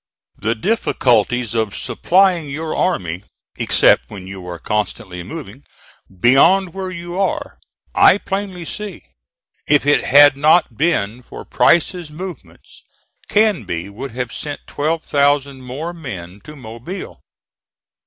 The difficulties of supplying your army, except when you are constantly moving, beyond where you are, I plainly see. If it had not been for Price's movements Canby would have sent twelve thousand more men to Mobile.